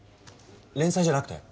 連載じゃなくて？